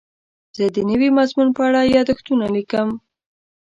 زه د نوي مضمون په اړه یادښتونه لیکم.